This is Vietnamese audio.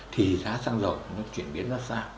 thì giá xăng dầu chuyển biến ra sao